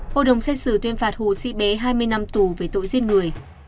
hội đồng xét xử tuyên phạt hù sĩ bé hai mươi năm tù về tội giết người